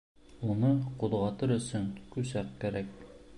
Уны ҡуҙғатыр өсөн күҫәк кәрәк.